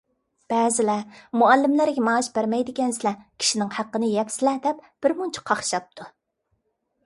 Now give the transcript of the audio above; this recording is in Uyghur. بەزىلەر: «مۇئەللىملەرگە مائاش بەرمەيدىكەنسىلەر، كىشىنىڭ ھەققىنى يەپسىلەر» دەپ بىرمۇنچە قاقشاپتۇ.